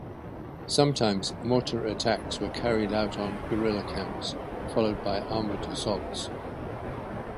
Sometimes mortar attacks were carried out on guerrilla camps, followed by armoured assaults.